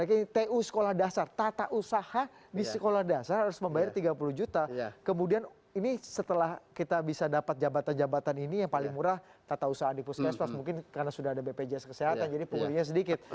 ini tu sekolah dasar tata usaha di sekolah dasar harus membayar tiga puluh juta kemudian ini setelah kita bisa dapat jabatan jabatan ini yang paling murah tata usaha di puskesmas mungkin karena sudah ada bpjs kesehatan jadi punggulinya sedikit